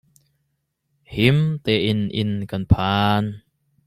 Him tein inn kan phan.